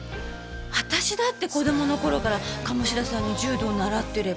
私だって子供の頃から鴨志田さんに柔道習ってれば。